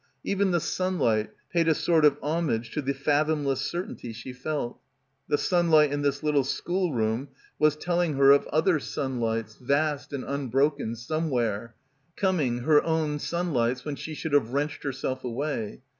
Even the sunlight paid a sort of homage to the fathomless certainty she felt. The sun light in this little schoolroom was telling her of — 186 — BACKWATER other sunlights, vast and unbroken, somewhere — coming, her own sunlights, when she should have wrenched herself away.